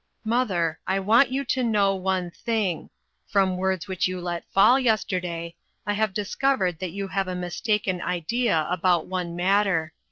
Mother, I want you to know one thing : from words which you let fall yesterday, I have discovered that you have a mistaken idea about one matter.